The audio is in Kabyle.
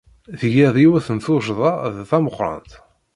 Tgid yiwet n tuccḍa d tameqrant.